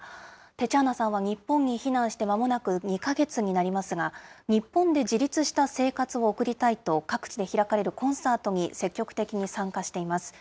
テチャーナさんは日本に避難してまもなく２か月になりますが、日本で自立した生活を送りたいと、各地で開かれるコンサートに積極的に参加しています。